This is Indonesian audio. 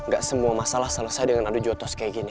gak semua masalah selesai dengan adu jotos kayak gini